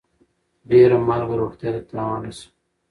ډيره مالګه روغتيا ته تاوان رسوي.